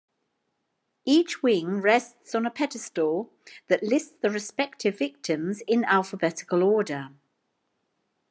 Each wing rests on a pedestal that lists the respective victims in alphabetical order.